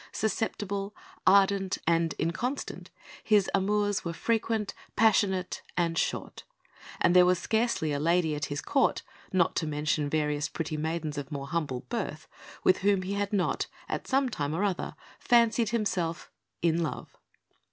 Susceptible, ardent, and inconstant, his amours were frequent, passionate, and short, and there was scarcely a lady at his Court not to mention various pretty maidens of more humble birth with whom he had not, at some time or other, fancied himself in love.